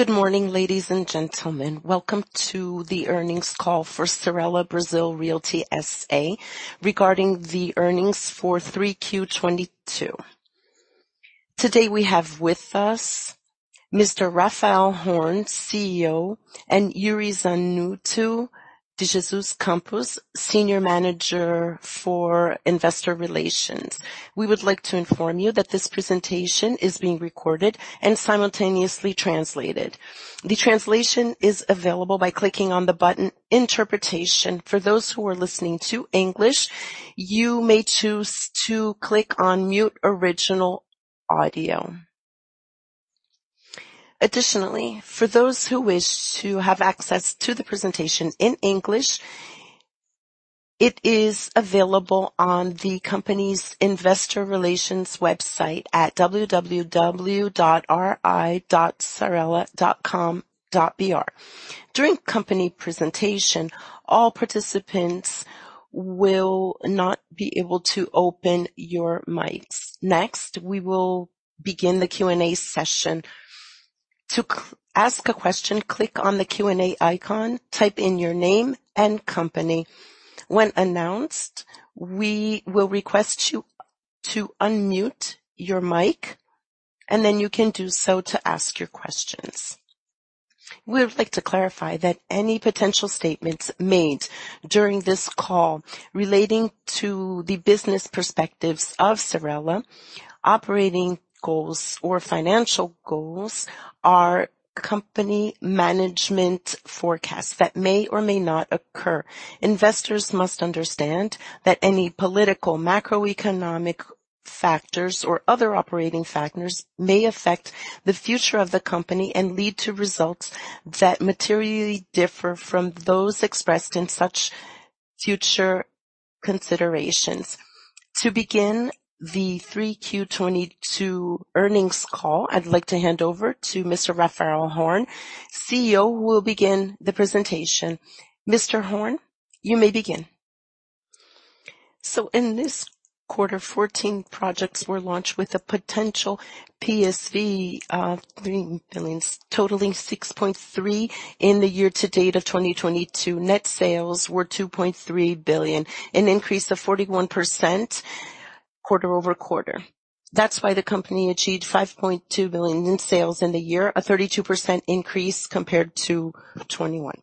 Good morning, ladies and gentlemen. Welcome to the earnings call for Cyrela Brazil Realty S.A. regarding the earnings for 3Q 2022. Today we have with us Mr. Raphael Horn, Co-CEO, and Iuri Zanutto de Jesus Campos, Senior Manager for Investor Relations. We would like to inform you that this presentation is being recorded and simultaneously translated. The translation is available by clicking on the button Interpretation. For those who are listening to English, you may choose to click on Mute Original Audio. Additionally, for those who wish to have access to the presentation in English, it is available on the company's investor relations website at ri.cyrela.com.br. During company presentation, all participants will not be able to open your mics. Next, we will begin the Q&A session. To ask a question, click on the Q&A icon, type in your name and company. When announced, we will request you to unmute your mic, and then you can do so to ask your questions. We would like to clarify that any potential statements made during this call relating to the business perspectives of Cyrela, operating goals or financial goals are company management forecasts that may or may not occur. Investors must understand that any political, macroeconomic factors or other operating factors may affect the future of the company and lead to results that materially differ from those expressed in such future considerations. To begin the 3Q 2022 earnings call, I'd like to hand over to Mr. Raphael Horn, CEO, who will begin the presentation. Mr. Horn, you may begin. In this quarter, 14 projects were launched with a potential PSV 3 billion totaling 6.3 billion in the year to date of 2022. Net sales were 2.3 billion, an increase of 41% quarter-over-quarter. That's why the company achieved 5.2 billion in sales in the year, a 32% increase compared to 2021.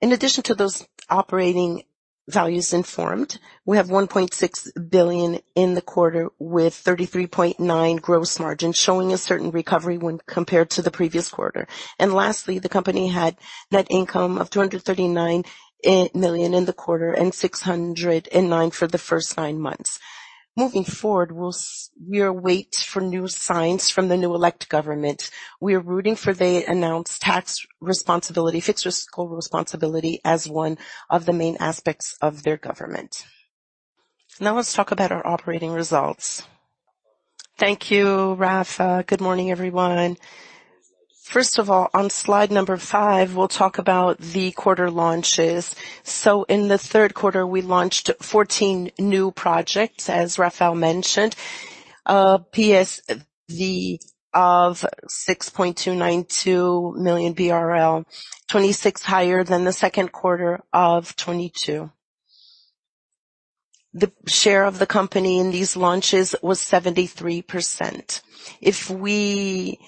In addition to those operating values informed, we have 1.6 billion in the quarter with 33.9% gross margin, showing a certain recovery when compared to the previous quarter. Lastly, the company had net income of 239 million in the quarter and 609 million for the first nine months. Moving forward, we await new signs from the newly elected government. We are rooting for the announced tax responsibility, fiscal responsibility as one of the main aspects of their government. Now let's talk about our operating results. Thank you, Rafa. Good morning, everyone. First of all, on slide five, we'll talk about the quarter launches. In the third quarter, we launched 14 new projects, as Raphael mentioned, PSV of 6.292 million BRL, 26% higher than the second quarter of 2022. The share of the company in these launches was 73%. If we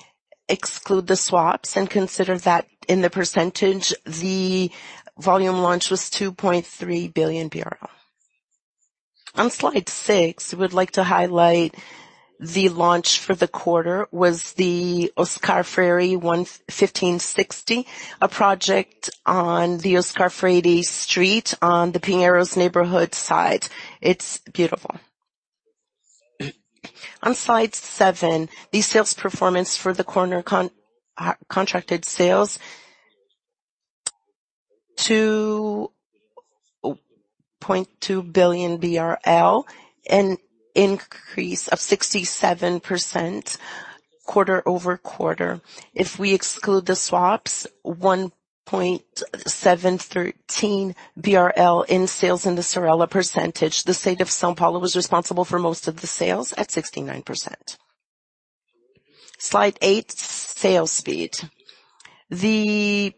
exclude the swaps and consider that in the percentage, the volume launch was 2.3 billion. On slide six, we would like to highlight the launch for the quarter was the Oscar Freire 1560, a project on the Oscar Freire Street on the Pinheiros neighborhood side. It's beautiful. On slide seven, the sales performance for the quarter, contracted sales, BRL 2.2 billion, an increase of 67% quarter-over-quarter. If we exclude the swaps, 1.713 billion BRL in sales in the Cyrela percentage. The state of São Paulo was responsible for most of the sales at 69%. Slide eight, sales speed. The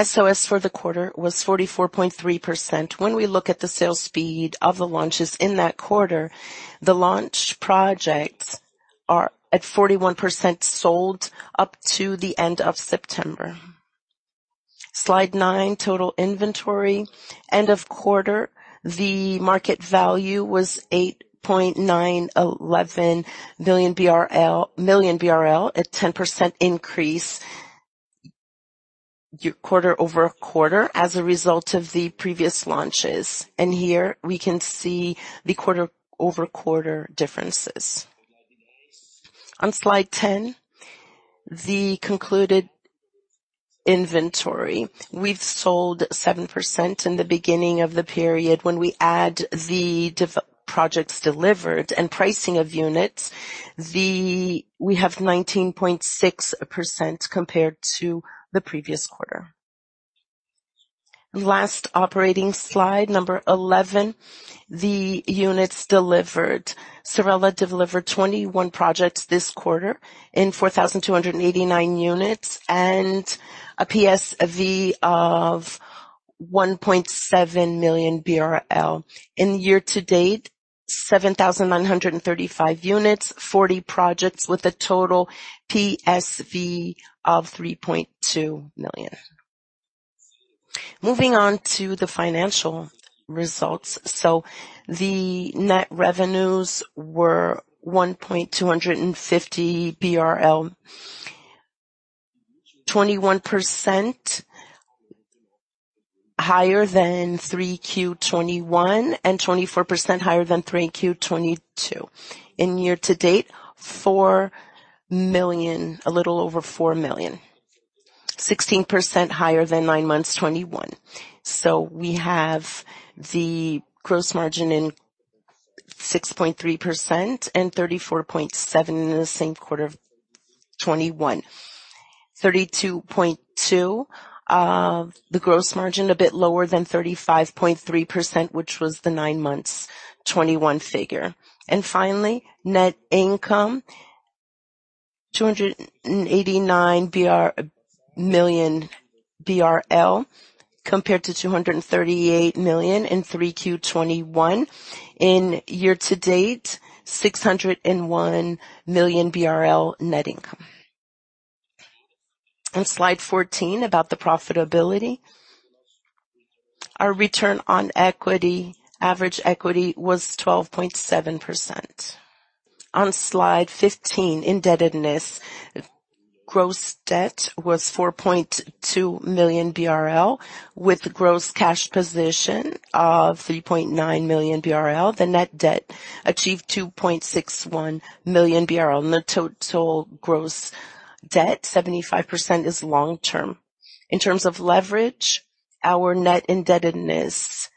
SOS for the quarter was 44.3%. When we look at the sales speed of the launches in that quarter, the launch projects are at 41% sold up to the end of September. Slide nine, total inventory. End of quarter, the market value was 8.911 billion at 10% increase quarter-over-quarter as a result of the previous launches. Here we can see the quarter-over-quarter differences. On slide ten, the concluded inventory. We've sold 7% in the beginning of the period. When we add the projects delivered and pricing of units, we have 19.6% compared to the previous quarter. Last operating slide number eleven. The units delivered. Cyrela delivered 21 projects this quarter in 4,289 units and a PSV of 1.7 million BRL. In year to date, 7,935 units, 40 projects with a total PSV of 3.2 million. Moving on to the financial results. The net revenues were 1,250 million. 21% higher than 3Q 2021 and 24% higher than 3Q 2022. In year to date, a little over four million. 16% higher than nine months 2021. We have the gross margin of 6.3% and 34.7% in the same quarter of 2021. 32.2, the gross margin a bit lower than 35.3%, which was the nine months 2021 figure. Finally, net income, 289 million BRL compared to 238 million BRL in 3Q 2021. In year to date, 601 million BRL net income. On slide 14 about the profitability. Our return on equity, average equity was 12.7%. On slide 15, indebtedness. Gross debt was 4.2 million BRL with gross cash position of 3.9 million BRL. The net debt achieved 2.61 million BRL. The total gross debt, 75% is long-term. In terms of leverage, our net indebtedness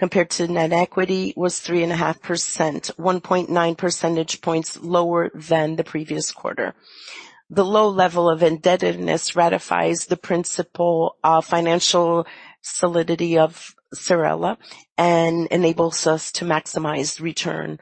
compared to net equity was 3.5%, 1.9 percentage points lower than the previous quarter. The low level of indebtedness ratifies the principle of financial solidity of Cyrela and enables us to maximize return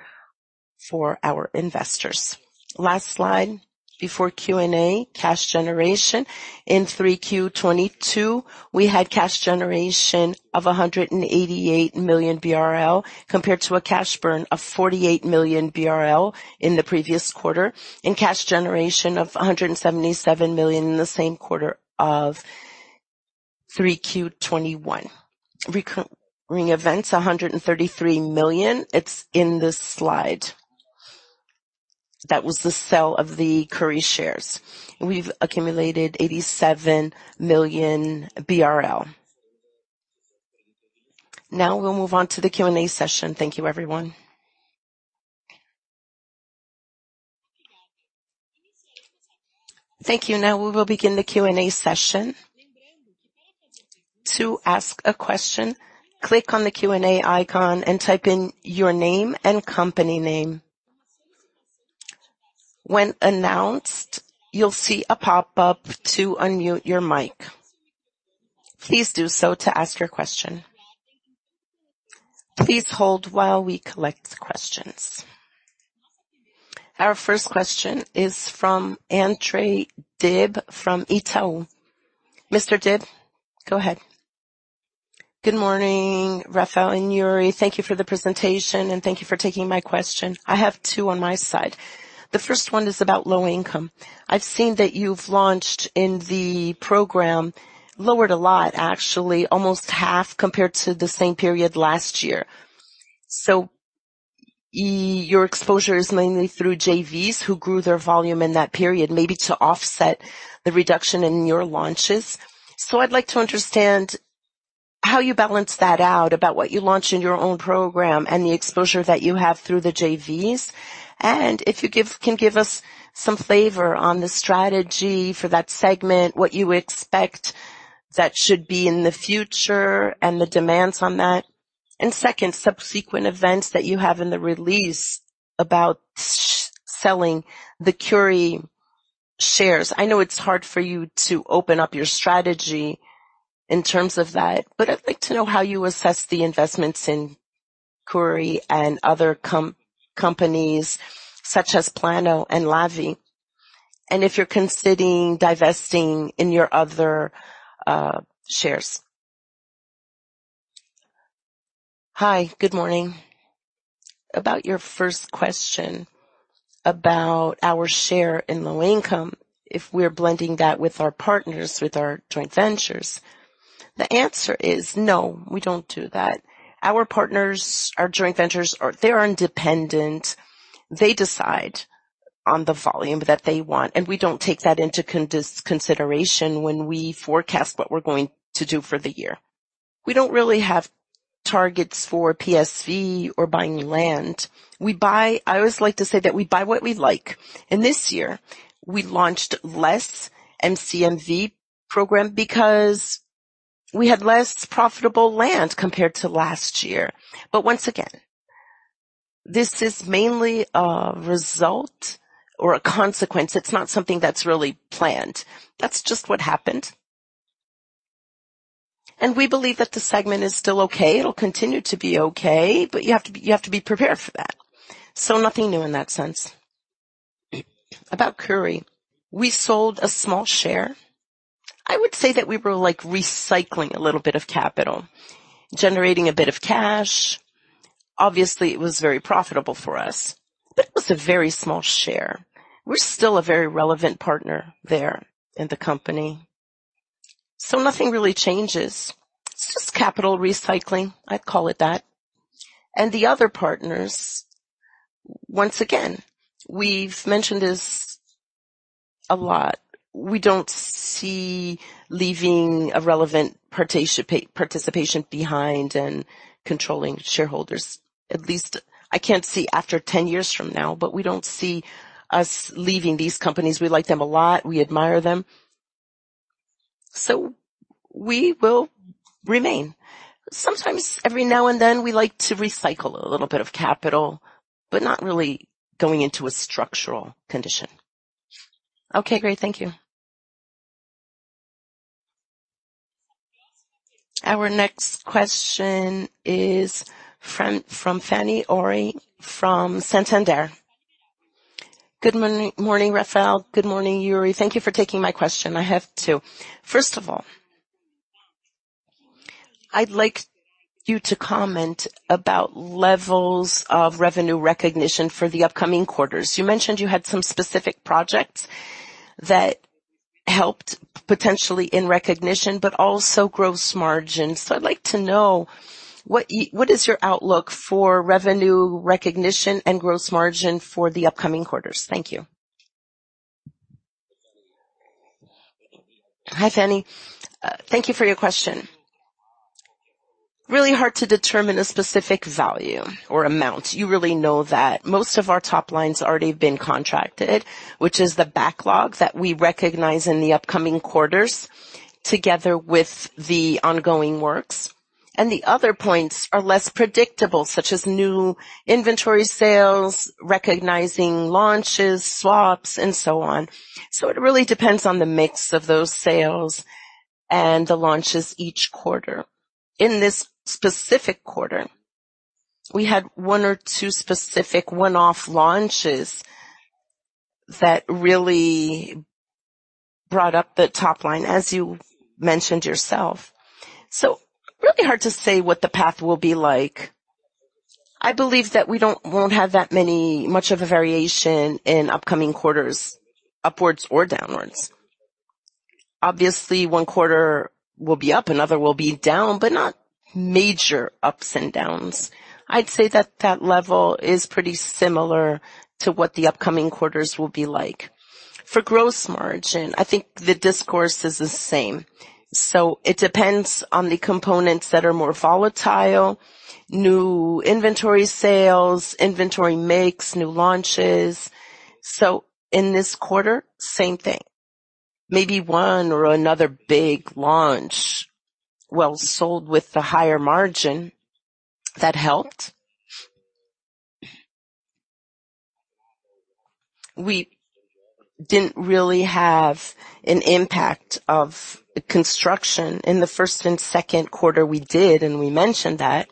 for our investors. Last slide before Q&A, cash generation. In 3Q 2022, we had cash generation of 188 million BRL compared to a cash burn of 48 million BRL in the previous quarter and cash generation of 177 million in the same quarter of 3Q 2021. Recurring events, 133 million. It's in this slide. That was the sale of the Cury shares. We've accumulated BRL 87 million. Now we'll move on to the Q&A session. Thank you, everyone. Thank you. Now we will begin the Q&A session. To ask a question, click on the Q&A icon and type in your name and company name. When announced, you'll see a pop-up to unmute your mic. Please do so to ask your question. Please hold while we collect questions. Our first question is from André Mazini from Citi. Mr. Mazini, go ahead. Good morning, Raphael and Iuri. Thank you for the presentation, and thank you for taking my question. I have two on my side. The first one is about low income. I've seen that your launches in the program lowered a lot, actually almost half compared to the same period last year. Your exposure is mainly through JVs who grew their volume in that period, maybe to offset the reduction in your launches. I'd like to understand how you balance that out about what you launch in your own program and the exposure that you have through the JVs. If you can give us some flavor on the strategy for that segment, what you expect that should be in the future and the demands on that. Second, subsequent events that you have in the release about selling the Cury shares. I know it's hard for you to open up your strategy in terms of that, but I'd like to know how you assess the investments in Cury and other companies such as Plano & Plano and Lavvi, and if you're considering divesting in your other shares. Hi, good morning. About your first question about our share in low income, if we're blending that with our partners, with our joint ventures. The answer is no, we don't do that. Our partners, our joint ventures, they're independent. They decide on the volume that they want, and we don't take that into consideration when we forecast what we're going to do for the year. We don't really have targets for PSV or buying land. We buy. I always like to say that we buy what we like. This year, we launched less MCMV program because we had less profitable land compared to last year. This is mainly a result or a consequence. It's not something that's really planned. That's just what happened. We believe that the segment is still okay. It'll continue to be okay, but you have to be prepared for that. Nothing new in that sense. About Cury, we sold a small share. I would say that we were, like, recycling a little bit of capital, generating a bit of cash. Obviously, it was very profitable for us. That was a very small share. We're still a very relevant partner there in the company. Nothing really changes. It's just capital recycling. I'd call it that. The other partners, once again, we've mentioned this a lot. We don't see leaving a relevant participation behind and controlling shareholders. At least I can't see after ten years from now, but we don't see us leaving these companies. We like them a lot. We admire them. We will remain. Sometimes every now and then, we like to recycle a little bit of capital, but not really going into a structural condition. Okay, great. Thank you. Our next question is from Fanny Oreng from Santander. Good morning, Raphael. Good morning, Iuri. Thank you for taking my question. I have two. First of all, I'd like you to comment about levels of revenue recognition for the upcoming quarters. You mentioned you had some specific projects that helped potentially in recognition, but also gross margin. I'd like to know what is your outlook for revenue recognition and gross margin for the upcoming quarters? Thank you. Hi, Fanny. Thank you for your question. Really hard to determine a specific value or amount. You really know that. Most of our top line's already been contracted, which is the backlog that we recognize in the upcoming quarters, together with the ongoing works. The other points are less predictable, such as new inventory sales, recognizing launches, swaps, and so on. It really depends on the mix of those sales and the launches each quarter. In this specific quarter, we had one or two specific one-off launches that really brought up the top line, as you mentioned yourself. Really hard to say what the path will be like. I believe that we won't have much of a variation in upcoming quarters, upwards or downwards. Obviously, one quarter will be up, another will be down, but not major ups and downs. I'd say that level is pretty similar to what the upcoming quarters will be like. For gross margin, I think the discourse is the same. It depends on the components that are more volatile. New inventory sales, inventory mix, new launches. In this quarter, same thing. Maybe one or another big launch well sold with a higher margin that helped. We didn't really have an impact of construction. In the first and second quarter, we did, and we mentioned that.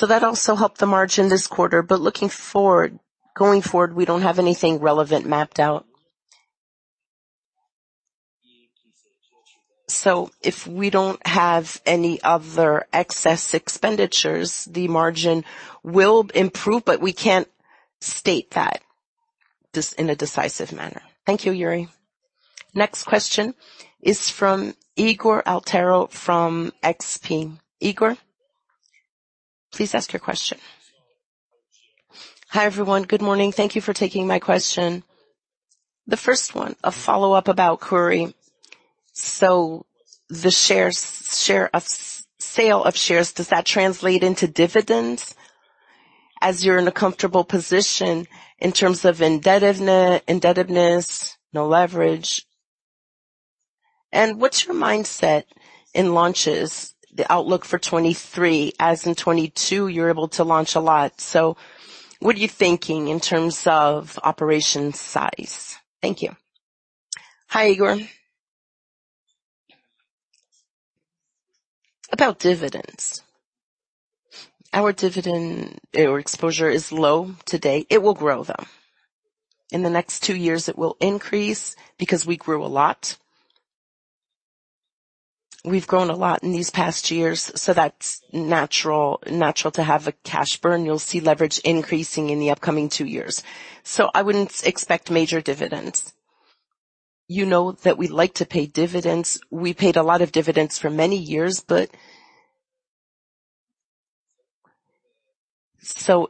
That also helped the margin this quarter. Going forward, we don't have anything relevant mapped out. If we don't have any other excess expenditures, the margin will improve, but we can't state that decisively. Thank you, Iuri. Next question is from Ygor Altero from XP. Ygor, please ask your question. Hi, everyone. Good morning. Thank you for taking my question. The first one, a follow-up about Cury. The sale of shares, does that translate into dividends as you're in a comfortable position in terms of indebtedness, no leverage? What's your mindset in launches, the outlook for 2023, as in 2022, you're able to launch a lot. What are you thinking in terms of operation size? Thank you. Hi, Ygor. About dividends. Our dividend or exposure is low today. It will grow, though. In the next two years, it will increase because we grew a lot. We've grown a lot in these past years, so that's natural to have a cash burn. You'll see leverage increasing in the upcoming two years. I wouldn't expect major dividends. You know that we like to pay dividends. We paid a lot of dividends for many years, but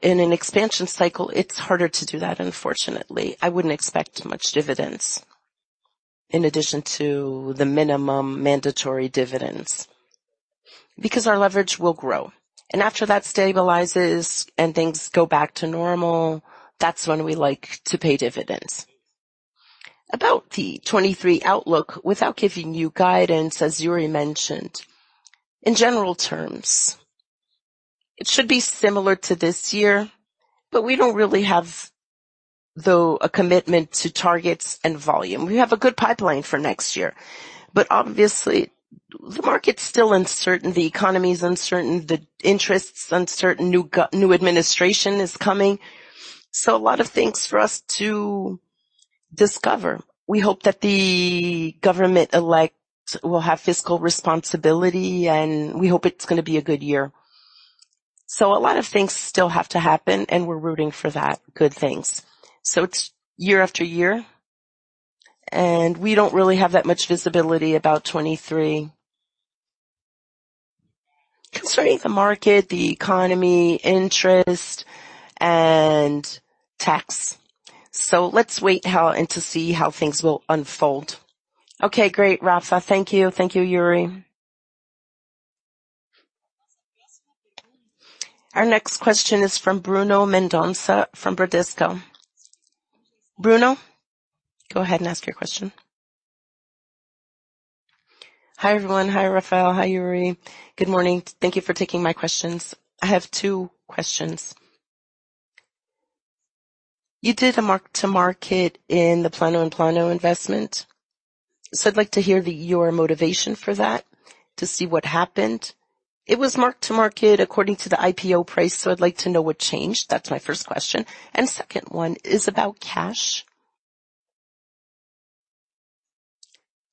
in an expansion cycle, it's harder to do that, unfortunately. I wouldn't expect much dividends in addition to the minimum mandatory dividends because our leverage will grow. After that stabilizes and things go back to normal, that's when we like to pay dividends. About the 2023 outlook without giving you guidance, as Iuri mentioned. In general terms, it should be similar to this year, but we don't really have, though, a commitment to targets and volume. We have a good pipeline for next year, but obviously the market's still uncertain, the economy is uncertain, the interest's uncertain. New administration is coming. A lot of things for us to discover. We hope that the elected government will have fiscal responsibility, and we hope it's gonna be a good year. A lot of things still have to happen, and we're rooting for those good things. It's year after year, and we don't really have that much visibility about 2023 concerning the market, the economy, interest, and tax. Let's wait and see how things will unfold. Okay, great, Rafa. Thank you. Thank you, Yuri. Our next question is from Bruno Mendonça from Bradesco. Bruno, go ahead and ask your question. Hi, everyone. Hi, Raphael. Hi, Iuri. Good morning. Thank you for taking my questions. I have two questions. You did a mark to market in the Plano & Plano investment, so I'd like to hear your motivation for that to see what happened. It was mark to market according to the IPO price, so I'd like to know what changed. That's my first question. Second one is about cash.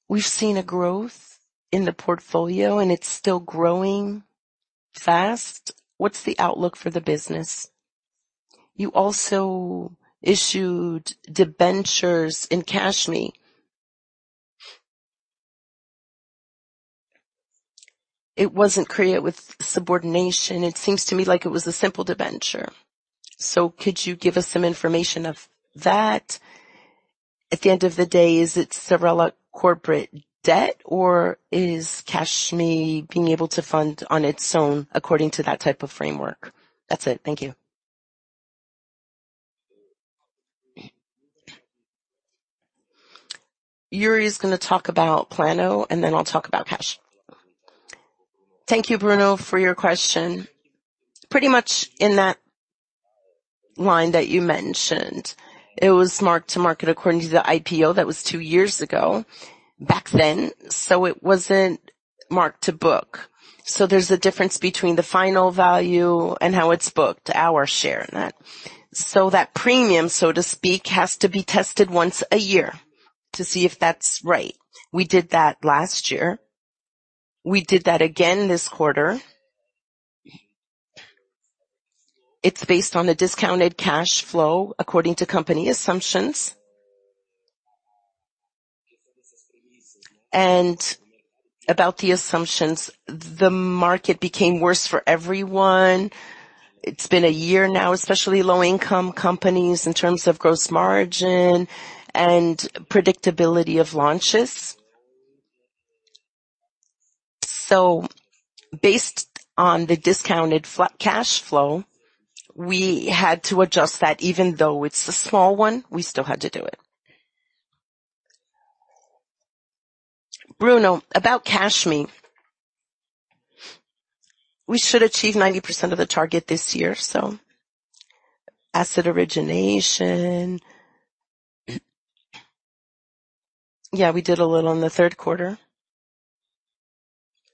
We've seen a growth in the portfolio, and it's still growing fast. What's the outlook for the business? You also issued debentures in CashMe. It wasn't created with subordination. It seems to me like it was a simple debenture. Could you give us some information of that? At the end of the day, is it Cyrela corporate debt, or is CashMe being able to fund on its own according to that type of framework? That's it. Thank you. Yuri is gonna talk about Plano & Plano, and then I'll talk about Cash. Thank you, Bruno, for your question. Pretty much in that line that you mentioned, it was mark to market according to the IPO. That was two years ago, back then. So it wasn't mark to book. So there's a difference between the final value and how it's booked, our share in that. So that premium, so to speak, has to be tested once a year to see if that's right. We did that last year. We did that again this quarter. It's based on the discounted cash flow according to company assumptions. About the assumptions, the market became worse for everyone. It's been a year now, especially low-income companies in terms of gross margin and predictability of launches. Based on the discounted cash flow, we had to adjust that. Even though it's a small one, we still had to do it. Bruno, about CashMe. We should achieve 90% of the target this year. Asset origination. Yeah, we did a little in the third quarter.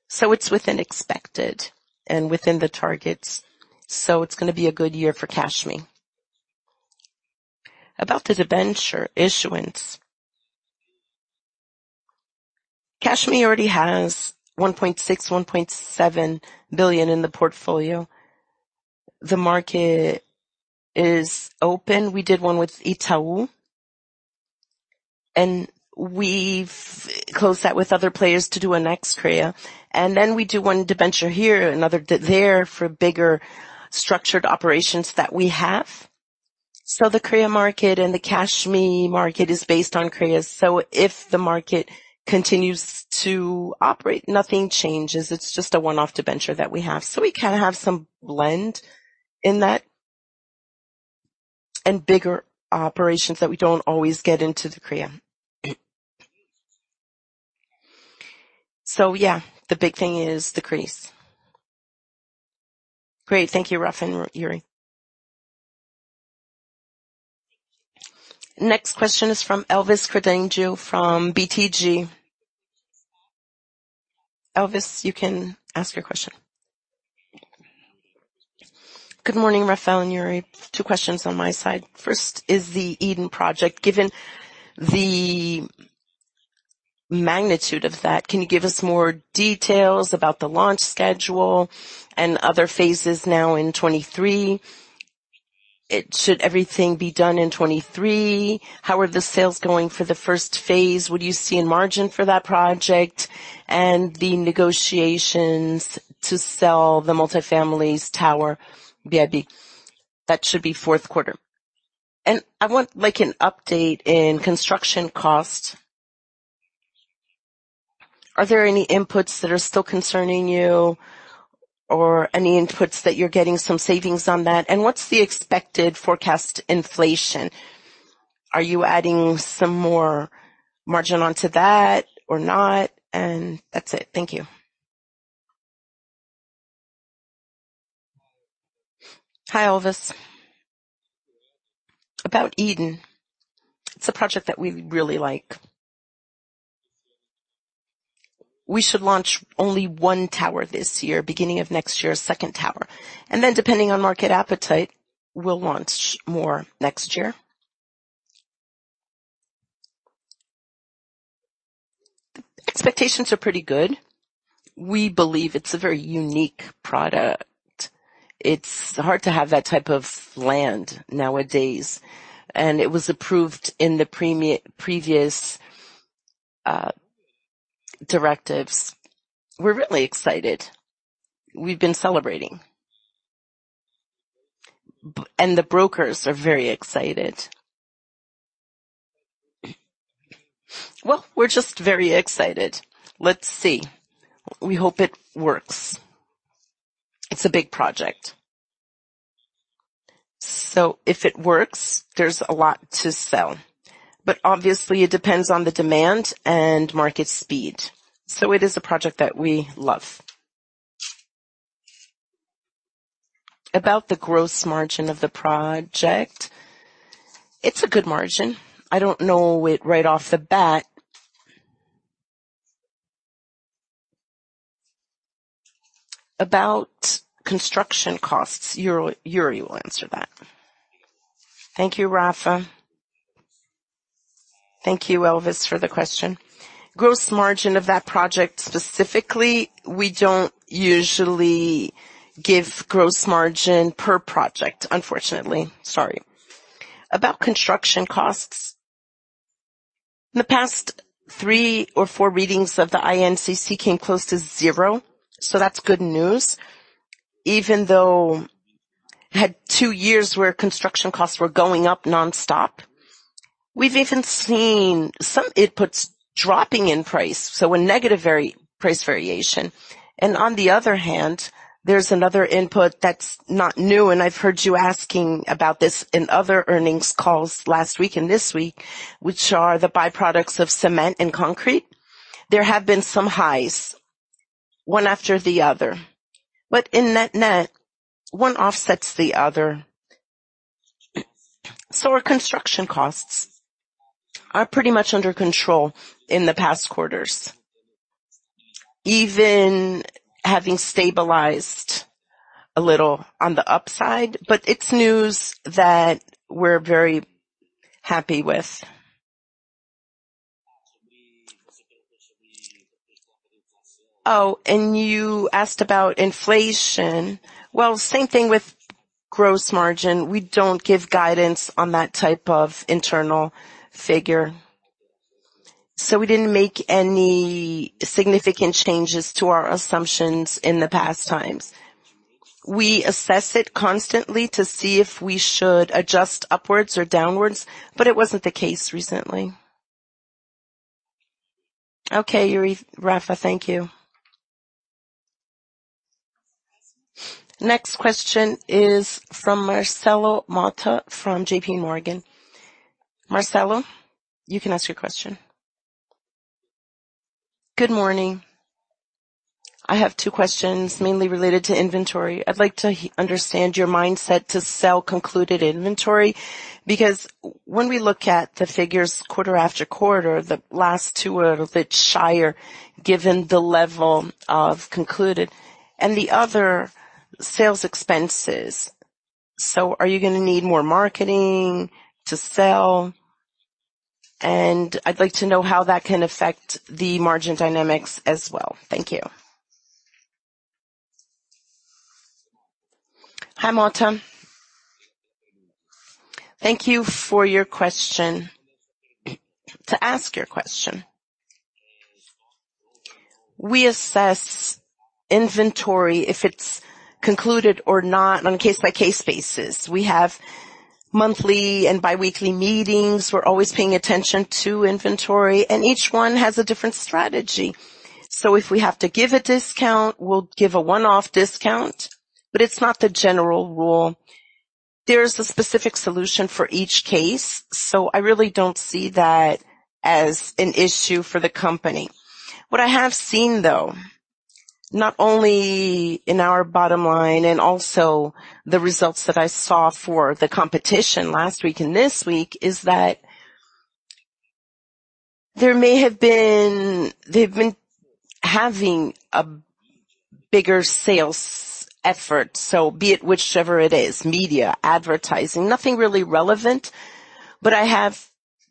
It's within expectations and within the targets. It's gonna be a good year for CashMe. About the debenture issuance. CashMe already has 1.6-1.7 billion in the portfolio. The market is open. We did one with Itaú, and we've closed that with other players to do a next CRI. Then we do one debenture here, another debenture there for bigger structured operations that we have. The CRI market and the CashMe market is based on CRIs. If the market continues to operate, nothing changes. It's just a one-off debenture that we have. We kinda have some blend in that and bigger operations that we don't always get into the CRI. Yeah, the big thing is the CRIs. Great. Thank you, Rafael and Yuri. Next question is from Elvis Credendio from BTG Pactual. Elvis, you can ask your question. Good morning, Rafael and Yuri. Two questions on my side. First is the Eden Park. Given the magnitude of that, can you give us more details about the launch schedule and other phases now in 2023? Should everything be done in 2023? How are the sales going for the first phase? What do you see in margin for that project? And the negotiations to sell the Multifamily Tower BIB. That should be fourth quarter. I want, like, an update in construction costs. Are there any inputs that are still concerning you or any inputs that you're getting some savings on that? What's the expected forecast inflation? Are you adding some more margin onto that or not? That's it. Thank you. Hi, Elvis. About Eden. It's a project that we really like. We should launch only one tower this year, beginning of next year, second tower, and then depending on market appetite, we'll launch more next year. Expectations are pretty good. We believe it's a very unique product. It's hard to have that type of land nowadays, and it was approved in the previous directives. We're really excited. We've been celebrating. The brokers are very excited. Well, we're just very excited. Let's see. We hope it works. It's a big project. If it works, there's a lot to sell, but obviously, it depends on the demand and market speed. It is a project that we love. About the gross margin of the project. It's a good margin. I don't know it right off the bat. About construction costs. Yuri will answer that. Thank you, Rafa. Thank you, Elvis, for the question. Gross margin of that project specifically, we don't usually give gross margin per project, unfortunately. Sorry. About construction costs. In the past three or four readings of the INCC came close to zero. That's good news. Even though had two years where construction costs were going up nonstop. We've even seen some inputs dropping in price, so a negative price variation. On the other hand, there's another input that's not new, and I've heard you asking about this in other earnings calls last week and this week, which are the byproducts of cement and concrete. There have been some highs, one after the other, but in net-net, one offsets the other. Our construction costs are pretty much under control in the past quarters, even having stabilized a little on the upside, but it's news that we're very happy with. Oh, you asked about inflation. Well, same thing with gross margin. We don't give guidance on that type of internal figure. We didn't make any significant changes to our assumptions in the past times. We assess it constantly to see if we should adjust upwards or downwards, but it wasn't the case recently. Okay, Iuri, Rafael, thank you. Next question is from Marcelo Motta from JPMorgan. Marcelo, you can ask your question. Good morning. I have two questions mainly related to inventory. I'd like to understand your mindset to sell concluded inventory because when we look at the figures quarter after quarter, the last two are a bit shyer given the level of concluded and the other sales expenses. Are you gonna need more marketing to sell? And I'd like to know how that can affect the margin dynamics as well. Thank you. Hi, Mota. Thank you for your question. To answer your question. We assess inventory if it's concluded or not on a case-by-case basis. We have monthly and biweekly meetings. We're always paying attention to inventory, and each one has a different strategy. If we have to give a discount, we'll give a one-off discount, but it's not the general rule. There's a specific solution for each case. I really don't see that as an issue for the company. What I have seen, though, not only in our bottom line and also the results that I saw for the competition last week and this week, is that there may have been. They've been having a bigger sales effort, so be it whichever it is, media, advertising, nothing really relevant. But I have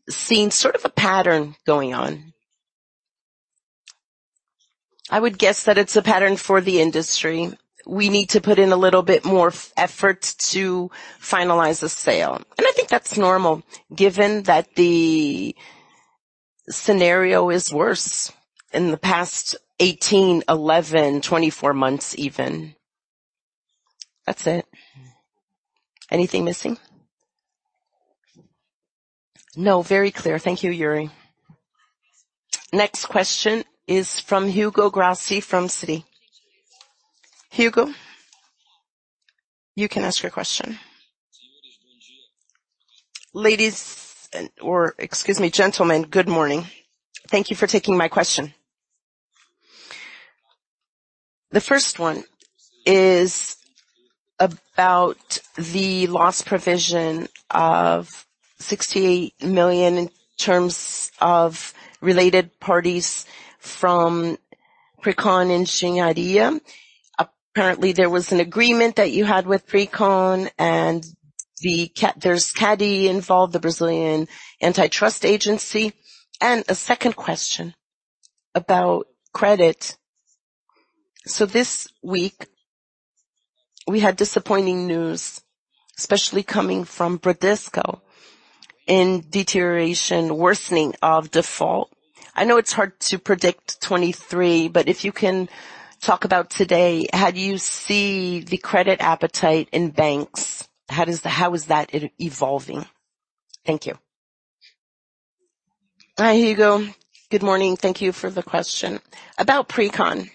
seen sort of a pattern going on. I would guess that it's a pattern for the industry. We need to put in a little bit more effort to finalize a sale. I think that's normal given that the scenario is worse in the past 18, 11, 24 months even. That's it. Anything missing? No, very clear. Thank you, Iuri. Next question is from Hugo Grassi from Citi. Hugo, you can ask your question. Or excuse me, gentlemen, good morning. Thank you for taking my question. The first one is about the loss provision of 68 million in terms of related parties from Precon Engenharia. Apparently, there was an agreement that you had with Precon and there's CADE involved, the Brazilian Antitrust Agency. A second question about credit. This week we had disappointing news, especially coming from Bradesco in deterioration, worsening of default. I know it's hard to predict 2023, but if you can talk about today, how do you see the credit appetite in banks? How is that evolving? Thank you. Hi, Hugo. Good morning. Thank you for the question. About Precon.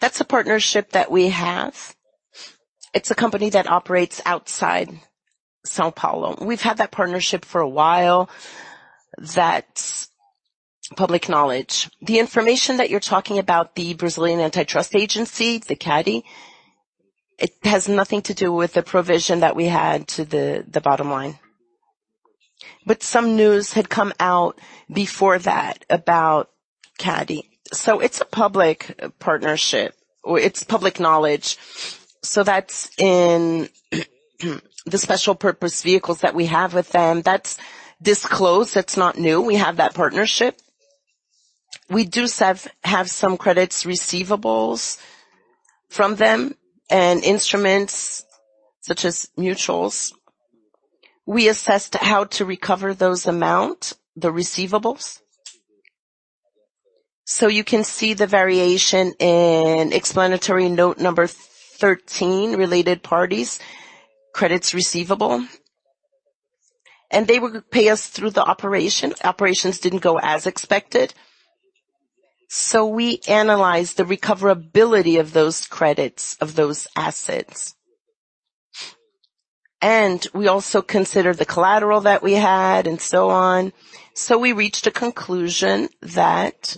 That's a partnership that we have. It's a company that operates outside São Paulo. We've had that partnership for a while. That's public knowledge. The information that you're talking about, the Brazilian Antitrust Agency, the CADE, it has nothing to do with the provision that we had to the bottom line. Some news had come out before that about CADE. It's a public partnership. It's public knowledge. That's in the special purpose vehicles that we have with them. That's disclosed. That's not new. We have that partnership. We have some credit receivables from them and instruments such as mutuals. We assessed how to recover those amounts, the receivables. You can see the variation in explanatory note number 13, related parties, credits receivable. They would pay us through the operation. Operations didn't go as expected, so we analyzed the recoverability of those credits, of those assets. We also considered the collateral that we had and so on. We reached a conclusion that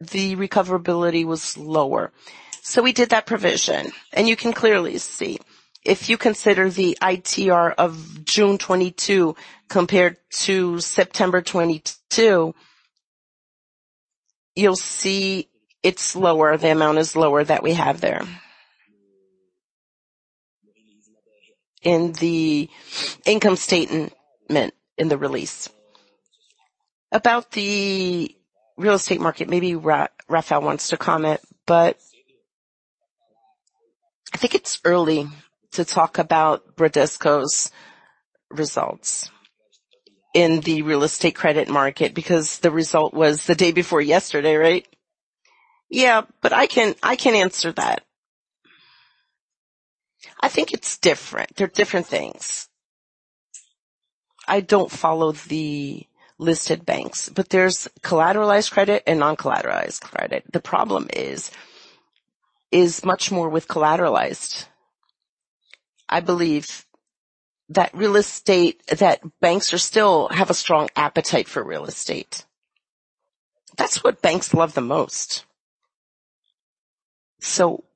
the recoverability was lower. We did that provision. You can clearly see if you consider the ITR of June 2022 compared to September 2022, you'll see it's lower. The amount is lower than we have there. In the income statement in the release. About the real estate market, maybe Rafael wants to comment, but I think it's early to talk about Bradesco's results in the real estate credit market because the result was the day before yesterday, right? Yeah, but I can answer that. I think it's different. They're different things. I don't follow the listed banks, but there's collateralized credit and non-collateralized credit. The problem is much more with collateralized. I believe that banks are still have a strong appetite for real estate. That's what banks love the most.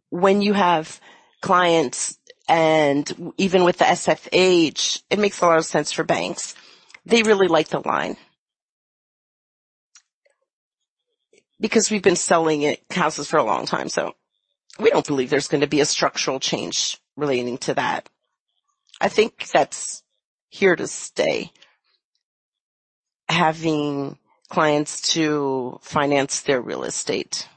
When you have clients and even with the SFH, it makes a lot of sense for banks. They really like the line. Because we've been selling houses for a long time, so we don't believe there's gonna be a structural change relating to that. I think that's here to stay. Having clients to finance their real estate.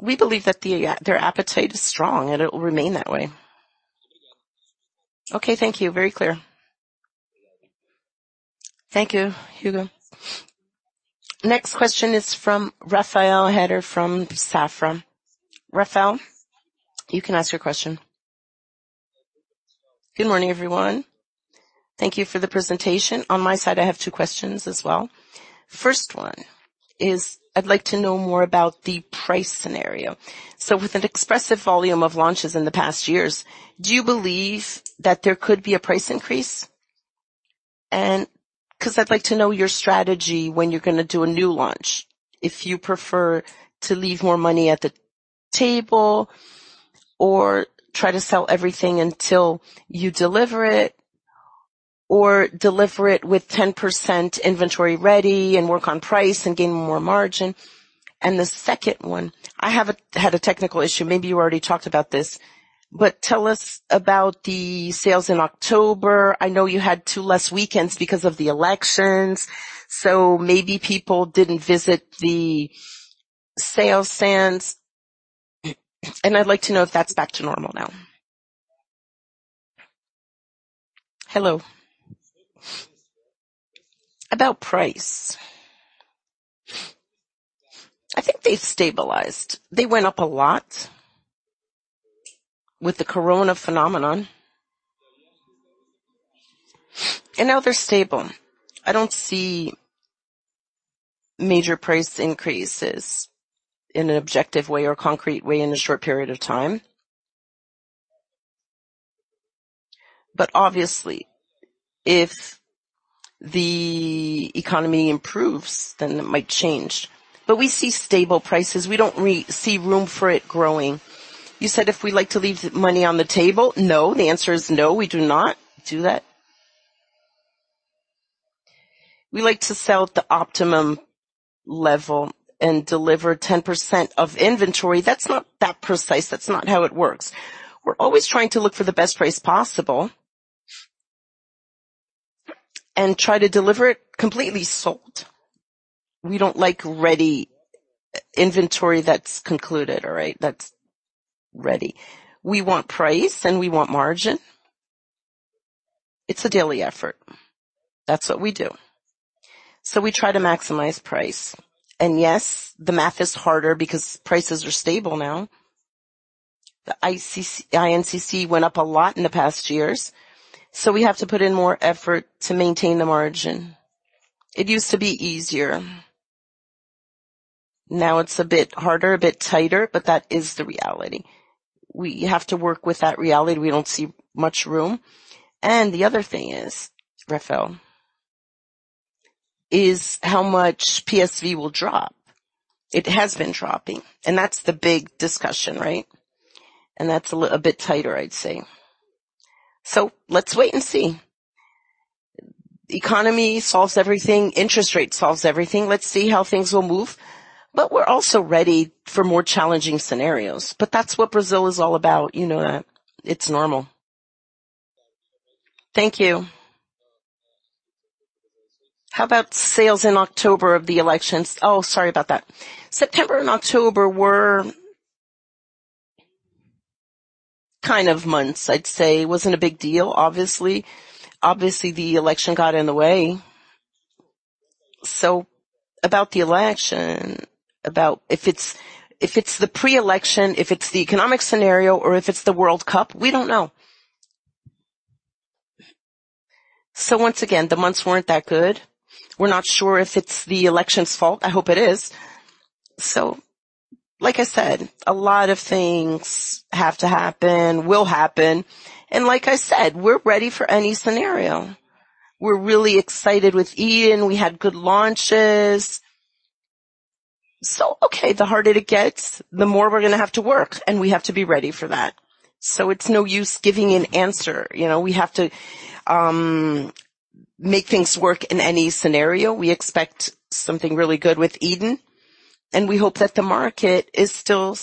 We believe that their appetite is strong, and it will remain that way. Okay. Thank you. Very clear. Thank you, Hugo. Next question is from Rafael Rehder from Safra. Rafael, you can ask your question. Good morning, everyone. Thank you for the presentation. On my side, I have two questions as well. First one is I'd like to know more about the price scenario. With an expressive volume of launches in the past years, do you believe that there could be a price increase? 'Cause I'd like to know your strategy when you're gonna do a new launch. If you prefer to leave more money at the table or try to sell everything until you deliver it, or deliver it with 10% inventory ready and work on price and gain more margin. The second one, I have had a technical issue. Maybe you already talked about this, but tell us about the sales in October. I know you had two less weekends because of the elections, so maybe people didn't visit the sales stands. I'd like to know if that's back to normal now. Hello. About price. I think they've stabilized. They went up a lot with the corona phenomenon. Now they're stable. I don't see major price increases in an objective way or concrete way in a short period of time. Obviously, if the economy improves, then that might change. We see stable prices. We don't see room for it growing. You said if we like to leave money on the table. No, the answer is no, we do not do that. We like to sell at the optimum level and deliver 10% of inventory. That's not that precise. That's not how it works. We're always trying to look for the best price possible and try to deliver it completely sold. We don't like ready inventory that's concluded, all right? That's ready. We want price, and we want margin. It's a daily effort. That's what we do. We try to maximize price. Yes, the math is harder because prices are stable now. The INCC went up a lot in the past years, so we have to put in more effort to maintain the margin. It used to be easier. Now it's a bit harder, a bit tighter, but that is the reality. We have to work with that reality. We don't see much room. The other thing is, Rafael, is how much PSV will drop. It has been dropping, and that's the big discussion, right? That's a bit tighter, I'd say. Let's wait and see. Economy solves everything, interest rate solves everything. Let's see how things will move. We're also ready for more challenging scenarios. That's what Brazil is all about. You know that. It's normal. Thank you. How about sales in October of the elections? Oh, sorry about that. September and October were kind of months, I'd say. Wasn't a big deal, obviously. Obviously, the election got in the way. About the election, about if it's, if it's the pre-election, if it's the economic scenario, or if it's the World Cup, we don't know. Once again, the months weren't that good. We're not sure if it's the election's fault. I hope it is. Like I said, a lot of things have to happen, will happen, and like I said, we're ready for any scenario. We're really excited with Eden. We had good launches. Okay, the harder it gets, the more we're gonna have to work, and we have to be ready for that. It's no use giving an answer. You know, we have to make things work in any scenario. We expect something really good with Eden, and we hope that the market is still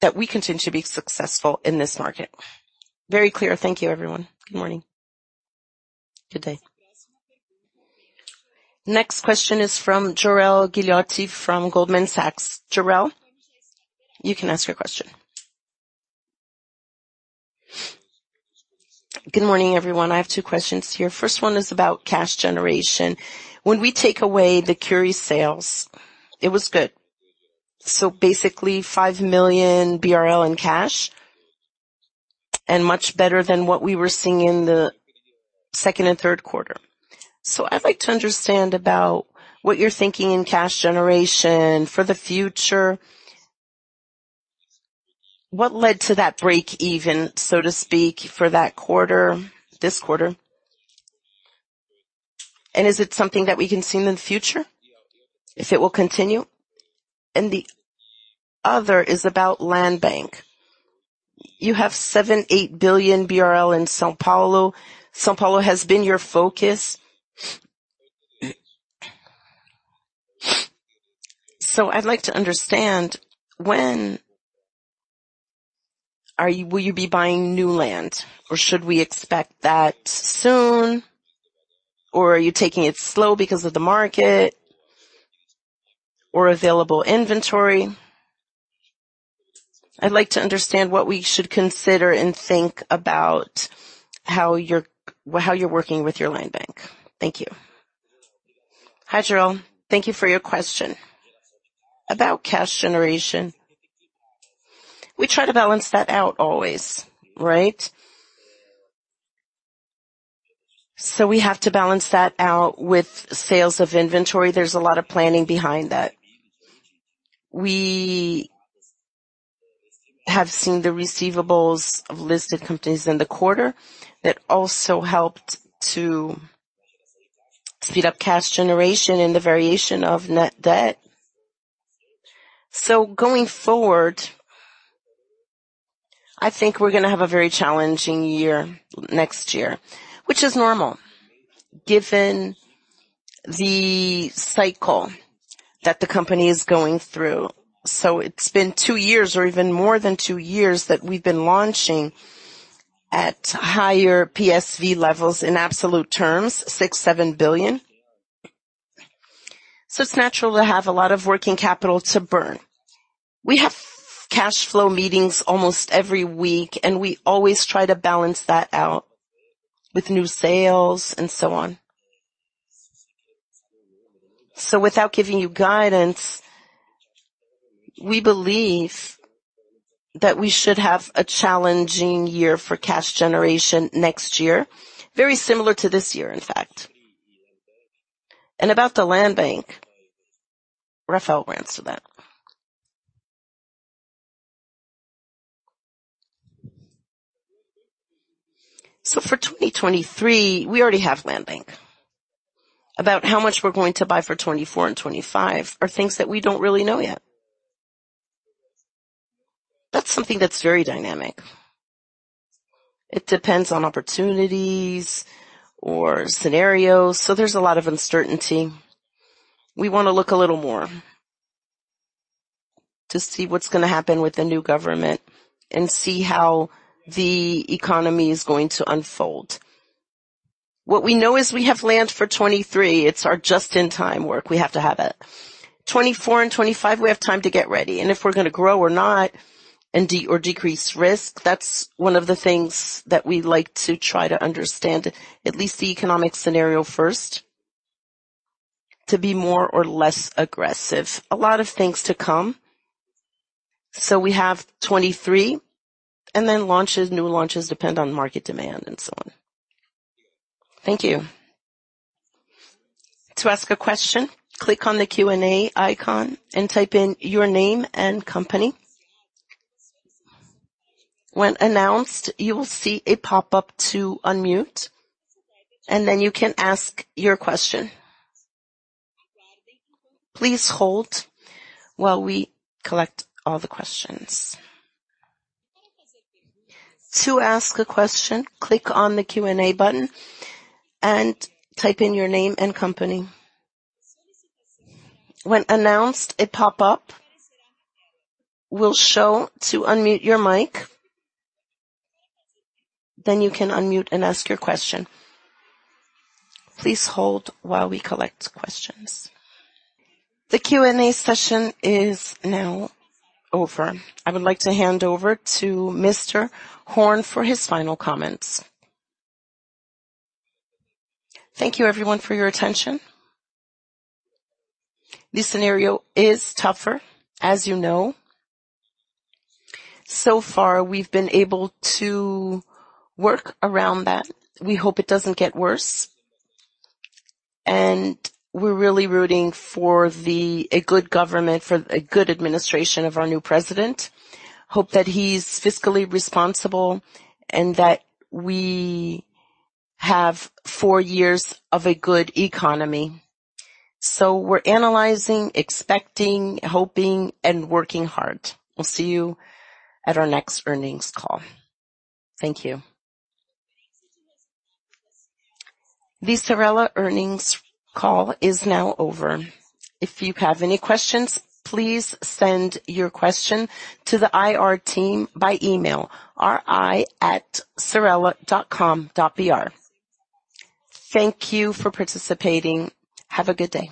that we continue to be successful in this market. Very clear. Thank you, everyone. Good morning. Good day. Next question is from Jorel Guilloty from Goldman Sachs. Jorel, you can ask your question. Good morning, everyone. I have two questions here. First one is about cash generation. When we take away the Cury sales, it was good. Basically 5 million BRL in cash and much better than what we were seeing in the second and third quarter. I'd like to understand about what you're thinking in cash generation for the future. What led to that break even, so to speak, for that quarter, this quarter? Is it something that we can see in the future if it will continue? The other is about land bank. You have 7-8 billion BRL in São Paulo. São Paulo has been your focus. I'd like to understand when will you be buying new land, or should we expect that soon? Are you taking it slow because of the market or available inventory? I'd like to understand what we should consider and think about how you're working with your land bank. Thank you. Hi, Jorel Guilloty. Thank you for your question. About cash generation, we try to balance that out always, right? We have to balance that out with sales of inventory. There's a lot of planning behind that. We have seen the receivables of listed companies in the quarter. That also helped to speed up cash generation and the variation of net debt. Going forward, I think we're gonna have a very challenging year next year, which is normal given the cycle that the company is going through. It's been two years or even more than two years that we've been launching at higher PSV levels in absolute terms, 6 billion, 7 billion. It's natural to have a lot of working capital to burn. We have cash flow meetings almost every week, and we always try to balance that out with new sales and so on. Without giving you guidance, we believe that we should have a challenging year for cash generation next year, very similar to this year, in fact. About the land bank, Rafael ran to that. For 2023, we already have land bank. About how much we're going to buy for 2024 and 2025 are things that we don't really know yet. That's something that's very dynamic. It depends on opportunities or scenarios. There's a lot of uncertainty. We wanna look a little more to see what's gonna happen with the new government and see how the economy is going to unfold. What we know is we have land for 2023. It's our just-in-time work. We have to have it. 2024 and 2025, we have time to get ready. If we're gonna grow or not and decrease risk, that's one of the things that we like to try to understand, at least the economic scenario first, to be more or less aggressive. A lot of things to come. We have 2023, and then launches, new launches depend on market demand and so on. Thank you. To ask a question, click on the Q&A icon and type in your name and company. When announced, you will see a pop-up to unmute, and then you can ask your question. Please hold while we collect all the questions. To ask a question, click on the Q&A button and type in your name and company. When announced, a pop-up will show to unmute your mic. Then you can unmute and ask your question. Please hold while we collect questions. The Q&A session is now over. I would like to hand over to Mr. Horn for his final comments. Thank you everyone for your attention. This scenario is tougher, as you know. So far, we've been able to work around that. We hope it doesn't get worse. We're really rooting for a good government, for a good administration of our new president. Hope that he's fiscally responsible and that we have four years of a good economy. We're analyzing, expecting, hoping, and working hard. We'll see you at our next earnings call. Thank you. The Cyrela earnings call is now over. If you have any questions, please send your question to the IR team by email, ri@cyrela.com.br. Thank you for participating. Have a good day.